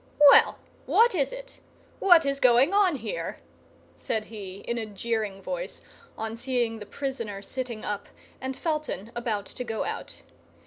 "Well, what is it—what is going on here?" said he, in a jeering voice, on seeing the prisoner sitting up and Felton about to go out.